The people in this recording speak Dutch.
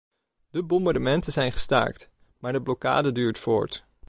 De bombardementen zijn gestaakt, maar de blokkade duurt voort.